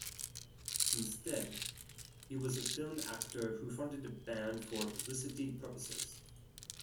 Instead, he was a film actor who fronted a band for publicity purposes.